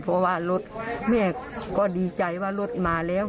เพราะว่ารถแม่ก็ดีใจว่ารถมาแล้ว